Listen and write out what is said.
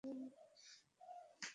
একি তোমার পাগলামির কথা!